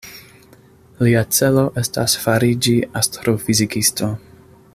Lia celo estas fariĝi astrofizikisto.